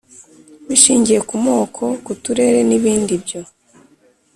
Bishingiye ku moko, ku turere n'ibindi ibyo